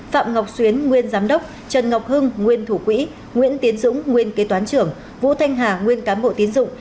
phạm ngọc xuyến nguyên giám đốc trần ngọc hưng nguyên thủ quỹ nguyễn tiến dũng nguyên kế toán trưởng vũ thanh hà nguyên cán bộ tín dụng